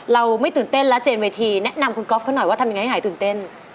เราไม่ตื่นเต้นแล้วเจนเวทีแนะนำคุณก๊อฟเขาหน่อยว่าทำยังไงให้หายตื่นเต้น